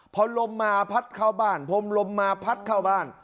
พอลมมาพัดเข้าบ้านพรมลมมาพัดเข้าบ้าน